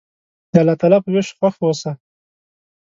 د الله تعالی په ویش خوښ اوسه.